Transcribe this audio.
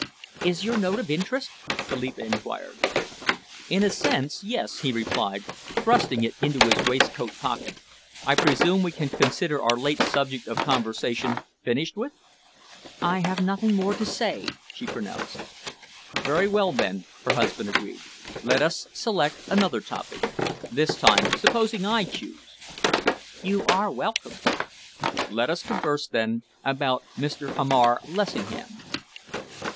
"Is your note of interest?" Philippa enquired. "In a sense, yes," he replied, thrusting it into his waistcoat pocket. "I presume we can consider our late subject of conversation finished with?" "I have nothing more to say," she pronounced. "Very well, then," her husband agreed, "let us select another topic. This time, supposing I choose?" "You are welcome." "Let us converse, then, about Mr. Hamar Lessingham."